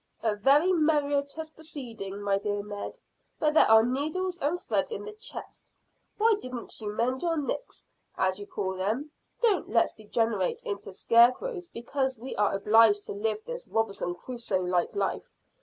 "A very meritorious proceeding, my dear Ned, but there are needles and thread in the chest: why didn't you mend your knicks, as you call them? Don't let's degenerate into scarecrows because we are obliged to live this Robinson Crusoe like life.